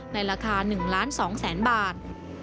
ในราคา๑ล้าน๒แสนบาท